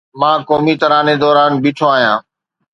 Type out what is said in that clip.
مان قومي تراني دوران بيٺو آهيان